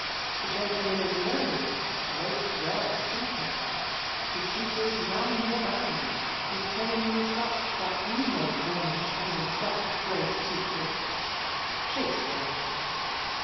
The gentleman is leam*d — a most rare speaker — To tutors none more bound ; his training sucfaf That he may furnish and instruct great teachers. Shakspbasb.